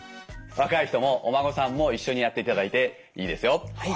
若い人もお孫さんも一緒にやっていただいていいですよ。